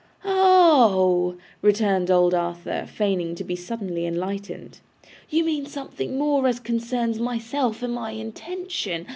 'Oh!' returned old Arthur feigning to be suddenly enlightened. 'You mean something more, as concerns myself and my intention.